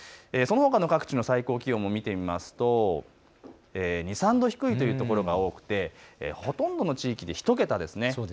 そのほかの各地の最高気温を見てみますと２、３度低いところが多くてほとんどの地域で１桁です。